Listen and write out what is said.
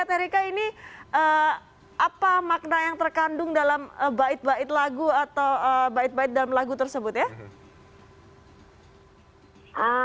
teh rika ini apa makna yang terkandung dalam bait bait lagu atau bait bait dalam lagu tersebut ya